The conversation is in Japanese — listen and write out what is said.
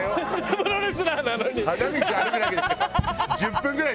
プロレスラーなのに。